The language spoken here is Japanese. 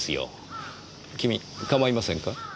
君構いませんか？